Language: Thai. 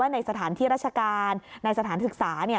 ในสถานที่ราชการในสถานศึกษา